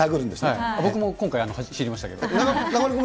はい、僕も今回知りましたけど。